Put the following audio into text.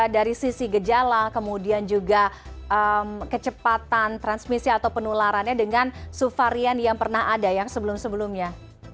dari sisi gejala kemudian juga kecepatan transmisi atau penularannya dengan subvarian yang pernah ada yang sebelum sebelumnya